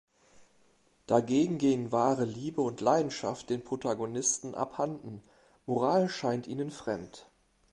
Dagegen gehen wahre Liebe und Leidenschaft den Protagonisten abhanden, Moral scheint ihnen fremd.